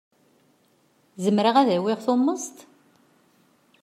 Zemreɣ ad awiɣ tummeẓt?